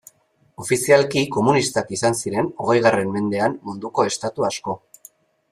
Ofizialki komunistak izan ziren, hogeigarren mendean, munduko estatu asko.